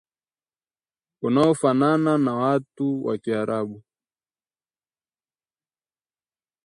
unaofanana na watu wa kiarabu